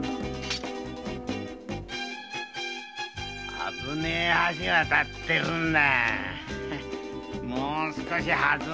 危ねえ橋を渡ってるんだ。